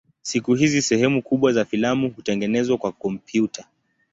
Siku hizi sehemu kubwa za filamu hutengenezwa kwa kompyuta.